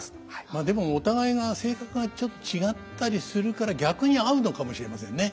まあでもお互いが性格がちょっと違ったりするから逆に合うのかもしれませんね。